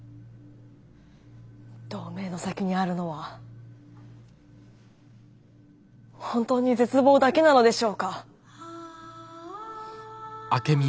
同盟の先にあるのは本当に絶望だけなのでしょうか？